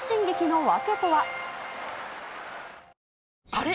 あれ？